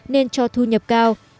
nên cho thu nhập cao